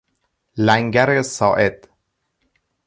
لنگر ساعد